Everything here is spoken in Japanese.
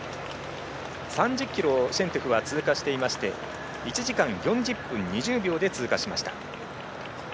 ３０ｋｍをシェントゥフは通過していまして１時間４０分２０秒で通過しました。